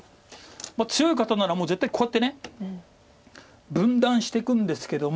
強い方ならもう絶対こうやって分断していくんですけども。